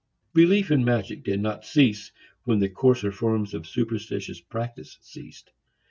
Belief in magic did not cease when the coarser forms of superstitious practice ceased.